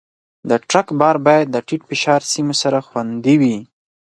د ټرک بار باید د ټیټ فشار سیمو سره خوندي وي.